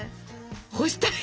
干したい？